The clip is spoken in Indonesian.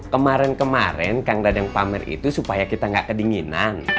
kemaren kemaren kang dadeng pamer itu supaya kita nggak kedinginan